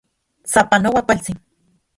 ¡Sapanoa kualtsin!